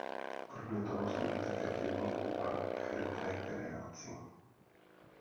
Kromě toho slouží také k rybolovu a k rekreaci.